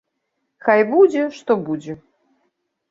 Хай будзе што будзе!